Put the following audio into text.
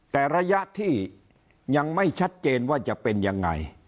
แต่ระยะที่ยังไม่ชัดเจนว่าจะเป็นยังไง